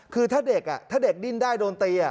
คือถ้าเด็กถ้าเด็กดิ้นได้โดนตี